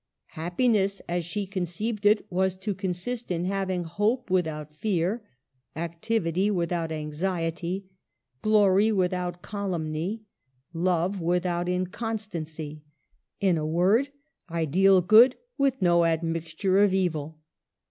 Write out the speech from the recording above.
Happiness, as she conceived it, was to consist in having hope without fear, activity without anxiety, glory without calumny, love without incon stancy — in a word, ideal good with no admixture of evil.